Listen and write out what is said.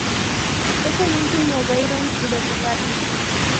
Es el ultimo Veyron de Bugatti.